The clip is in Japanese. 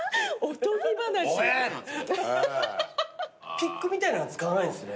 ピックみたいのは使わないんですね。